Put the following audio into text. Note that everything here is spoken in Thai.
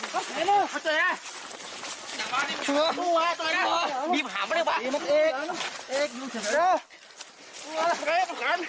หักเจ๋ยหักเจ๋ยหักเจ๋ยหักเจ๋ยหักเจ๋ย